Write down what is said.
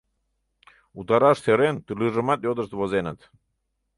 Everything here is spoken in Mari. Утараш сӧрен, тӱрлыжымат йодышт возеныт.